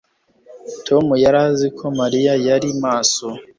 tom yari azi ko mariya yari maso